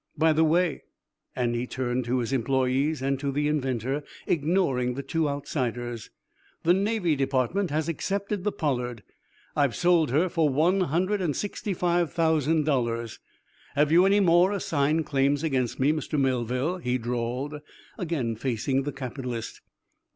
"By the way," and he turned to his employees and to the inventor, ignoring the two outsiders, "the Navy Department has accepted the 'Pollard.' I've sold her for one hundred and sixty five thousand dollars. Have you any more assigned claims against me, Mr. Melville?" he drawled, again facing the capitalist.